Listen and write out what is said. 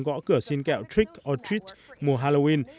gõ cửa xin kẹo trick or treat mùa halloween